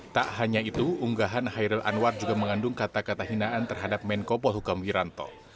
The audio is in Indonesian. tak hanya itu unggahan hairil anwar juga mengandung kata kata hinaan terhadap menko polhukam wiranto